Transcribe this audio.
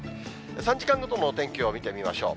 ３時間ごとのお天気を見てみましょう。